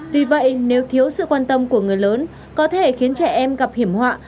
vì vậy nếu thiếu sự quan tâm của người lớn có thể khiến trẻ em gặp hiểm họa